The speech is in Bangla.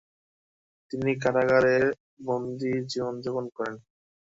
তিনি কারাগারের বন্দির জীবনযাপন করেন।